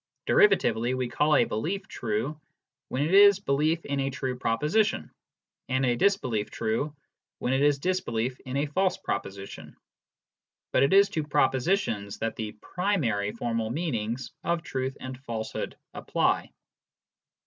Derivatively, we call a belief true when it is belief in a true proposition, and a disbelief true when it is dis belief in a , false proposition ; but it is to propositions that HOW PROPOSITIONS MEAN. 43 the primary formal meanings of " truth " and " falsehood " apply.